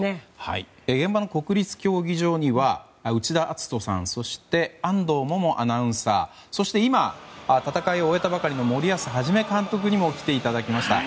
現場の国立競技場には内田篤人さんそして安藤萌々アナウンサーそして今、戦いを終えたばかりの森保一監督にも来ていただきました。